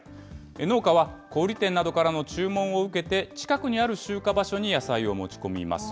農家は小売り店などからの注文を受けて、近くにある集荷場所に野菜を持ち込みます。